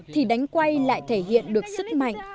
thì đánh quay lại thể hiện được sức mạnh